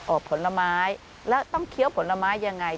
โอ้ผลไม้แล้วต้องเคี้ยวผลไม้อย่างไร